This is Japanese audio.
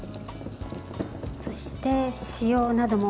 そして、塩なども。